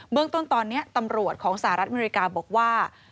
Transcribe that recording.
เรื่องต้นตอนนี้ตำรวจของสหรัฐอเมริกาบอกว่า